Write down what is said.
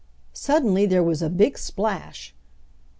Suddenly there was a big splash!